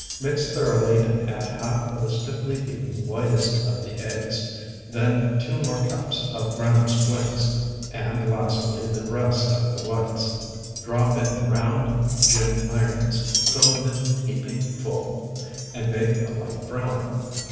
Mix thoroughly and add half of the stiffly beaten whitest of the eggs, then two more cups granose flakes, and lastly the rest of the whites. Drop in round gem irons, filling them heaping full, and bake a light brown.